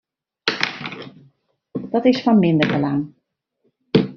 Dat is fan minder belang.